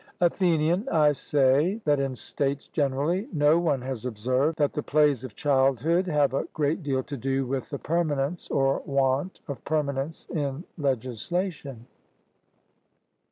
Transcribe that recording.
ATHENIAN: I say that in states generally no one has observed that the plays of childhood have a great deal to do with the permanence or want of permanence in legislation.